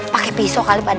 pake pisau kali pak d